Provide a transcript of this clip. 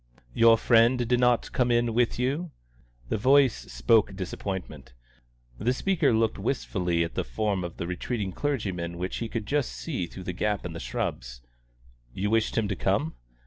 "Your friend did not come in with you." The voice spoke disappointment; the speaker looked wistfully at the form of the retreating clergyman which he could just see through a gap in the shrubs. "You wished him to come?"